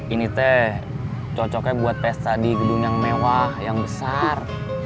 ini teh cocoknya buat pesta di gedung yang mewah yang besar